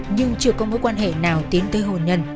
nhưng chưa có mối quan hệ nào tiến tới hồn nhân